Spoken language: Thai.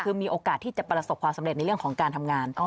คือมีโอกาสที่จะประสบความสำเร็จในเรื่องของการทำงาน